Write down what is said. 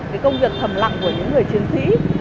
cái công việc thầm lặng của những người chiến sĩ